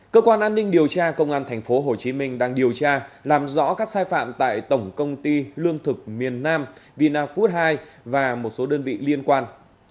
cơ quan an ninh điều tra công an tp hcm đang điều tra làm rõ các sai phạm tại tổng công ty lương thực miền nam vina food hai và một số đơn vị liên quan